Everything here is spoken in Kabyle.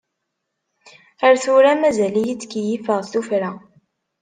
Ar tura mazal-iyi ttkeyyifeɣ s tufra.